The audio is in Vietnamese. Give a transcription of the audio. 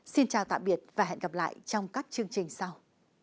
xin chào tạm biệt và hẹn gặp lại trong các chương trình sau